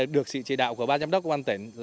được sự chỉ đạo của ba giám đốc của an tỉnh